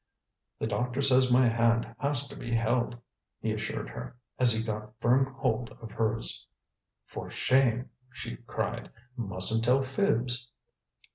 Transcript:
"The doctor says my hand has to be held!" he assured her, as he got firm hold of hers. "For shame!" she cried. "Mustn't tell fibs."